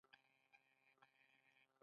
ماشومانو د کار کولو توان نه درلود.